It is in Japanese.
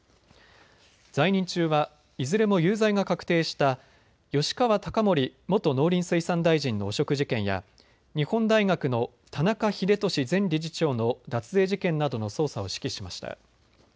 在任中はいずれも有罪が確定した吉川貴盛元農林水産大臣の汚職事件や日本大学の田中英壽前理事長の脱税事件などの捜査を指揮しました。